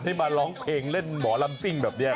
มาร้องเพลงเล่นหมอลำซิ่งแบบนี้